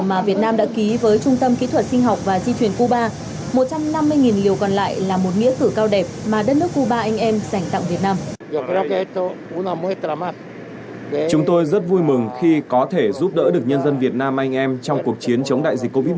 mà việt nam đã ký với trung tâm kỹ thuật sinh pháp